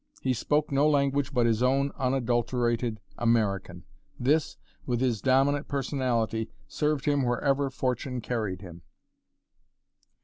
He spoke no language but his own unadulterated American. This, with his dominant personality, served him wherever fortune carried him!